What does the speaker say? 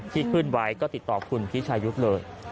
ที่ขึ้นไว้ก็ติดต่อคุณพิชายุทธ์เลย